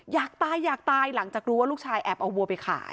อยากตายอยากตายหลังจากรู้ว่าลูกชายแอบเอาวัวไปขาย